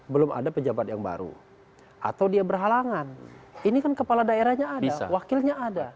belum ada pejabat yang baru atau dia berhalangan ini kan kepala daerahnya ada wakilnya ada